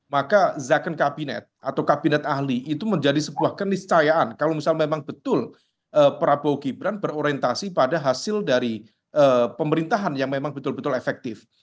maka zakon kabinet atau kabinet ahli itu menjadi sebuah keniscayaan kalau misalnya memang betul prabowo gibran berorientasi pada hasil dari pemerintahan yang memang betul betul efektif